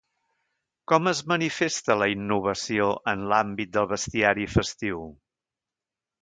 Com es manifesta la innovació en l’àmbit del bestiari festiu?